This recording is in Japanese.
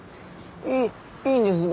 いいいんですか？